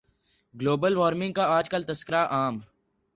global warming کا آج کل تذکرہ عام